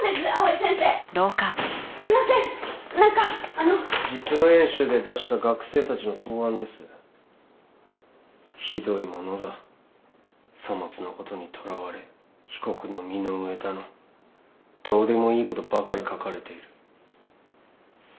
さまつなことにとらわれ被告の身の上だのどうでもいいことばかり書かれている。